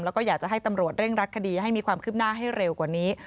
แล้วก็อยากจะให้ตำรวจเร่งรักคดีให้มีความคืบหน้าให้เร็วกว่านี้